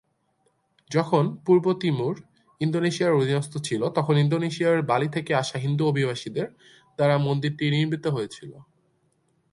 যখন পূর্ব তিমুর, ইন্দোনেশিয়ার অধীনস্থ ছিল, তখন ইন্দোনেশিয়ার বালি থেকে আসা হিন্দু অভিবাসীদের দ্বারা মন্দিরটি নির্মিত হয়েছিল।